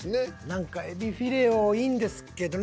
何かえびフィレオいいんですけどね